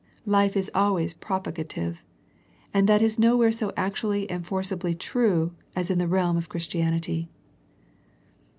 Life is always propagative, and that is nowhere so actually and forcefully true as in the realm of Christianity.